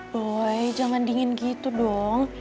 woy jangan dingin gitu dong